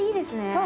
そう。